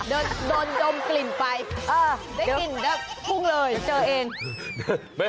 โดนดมกลิ่นไป